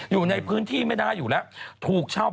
อยู่ในพื้นที่ไม่ได้อยู่แล้ว